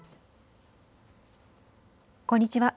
こんにちは。